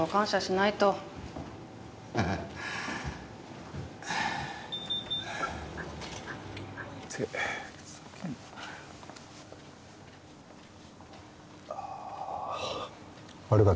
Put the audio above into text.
ああ。